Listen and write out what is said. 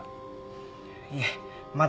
いえまだ。